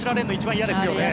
嫌ですね。